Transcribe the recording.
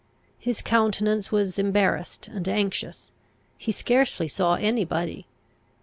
His countenance was embarrassed and anxious; he scarcely saw any body.